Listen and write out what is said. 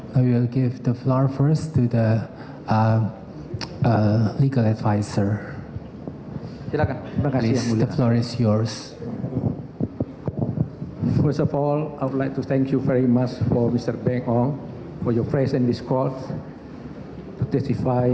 pertama kami persilahkan kepada penyiasat hukum